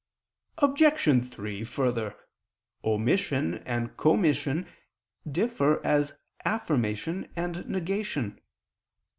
Obj. 3: Further, omission and commission differ as affirmation and negation.